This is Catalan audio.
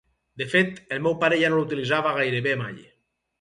De fet, el meu pare ja no l’utilitzava gairebé mai.